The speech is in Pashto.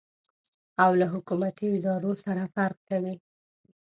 او له حکومتي ادارو سره فرق کوي.